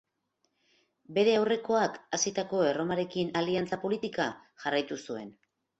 Bere aurrekoak hasitako Erromarekin aliantza politika jarraitu zuen.